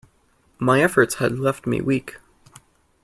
My efforts had left me weak.